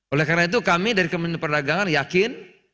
oleh karena itu kami dari kementerian perdagangan yakin